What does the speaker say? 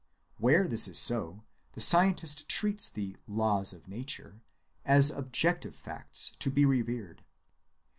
Where this is so, the scientist treats the "Laws of Nature" as objective facts to be revered.